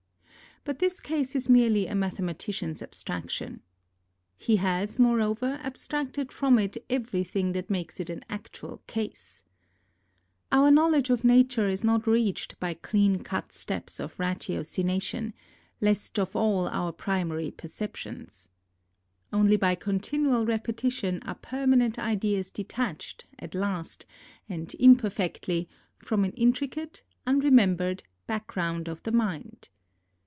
But this case is merely a mathematician's abstraction. He has, moreover, abstracted from it everything that makes it an actual case. Our knowledge of Nature is not reached by clean cut steps of ratiocination ; least of all our primary perceptions. Only by continual repetition are permanent ideas detached, at last, and imperfectly, from an intri cate, unremembered background of the mind.